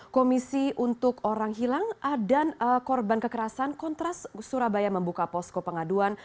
komisi untuk orang hilang dan korban kekerasan kontras surabaya membuka posko pengaduan